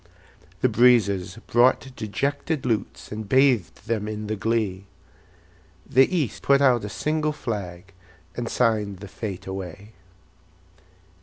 The breezes brought dejected lutes, And bathed them in the glee; The East put out a single flag, And signed the fete away.